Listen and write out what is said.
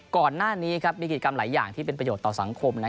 ก่อนหน้านี้มีกิจกรรมหลายอย่างที่เป็นประโยชน์ต่อสังคม